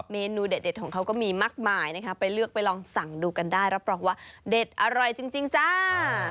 เมนูเด็ดของเขาก็มีมากมายนะคะไปเลือกไปลองสั่งดูกันได้รับรองว่าเด็ดอร่อยจริงจ้า